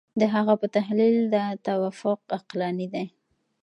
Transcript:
د هغه په تحلیل دا توافق عقلاني دی.